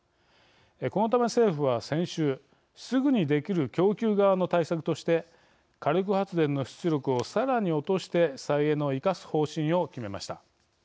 このため、政府は先週すぐにできる供給側の対策として火力発電の出力をさらに落として再エネを生かす方針を決めました。